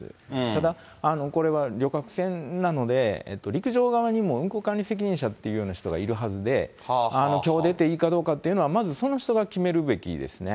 ただこれは旅客船なので、陸上側にも運航管理責任者という人がいるはずで、きょう出ていいかどうかというのは、まずその人が決めるべきですね。